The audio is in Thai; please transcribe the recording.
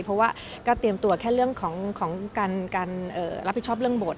เพราะว่าก็เตรียมตัวแค่เรื่องของการรับผิดชอบเรื่องบท